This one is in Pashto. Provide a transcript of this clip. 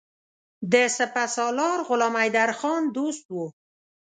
د سپه سالار غلام حیدرخان دوست وو.